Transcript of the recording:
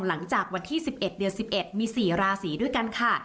หลังจากวันที่๑๑เดือน๑๑มี๔ราศีด้วยกันค่ะ